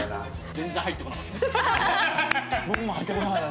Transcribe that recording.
全然入ってこなかった。